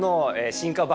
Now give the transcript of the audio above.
進化版。